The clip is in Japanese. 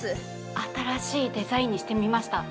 新しいデザインにしてみました。